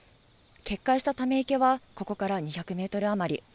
決壊したため池はここから２００メートル余り。